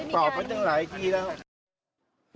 ตอบไปตั้งหลายทีแล้ว